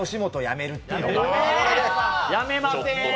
辞めません。